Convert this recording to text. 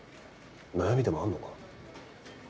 悩みでもあんのかな。